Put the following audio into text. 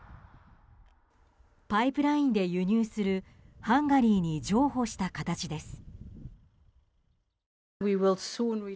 パイプラインで輸入するハンガリーに譲歩した形です。